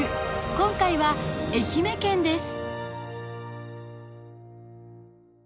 今回は愛媛県です。